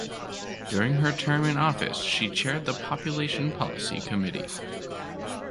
During her term in office she chaired the Population Policy Committee.